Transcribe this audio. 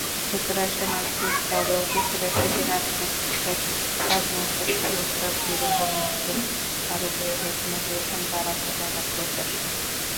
যুক্তরাষ্ট্রে মানসিকভাবে অসুস্থ ব্যক্তিদের আগ্নেয়াস্ত্রপ্রাপ্তির ওপর নিয়ন্ত্রণ আরোপের ঘোষণা দিয়েছেন বারাক ওবামার প্রশাসন।